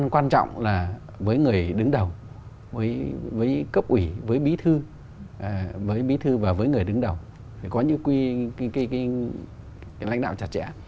quan trọng là với người đứng đầu với cấp ủy với bí thư với bí thư và với người đứng đầu phải có những lãnh đạo chặt chẽ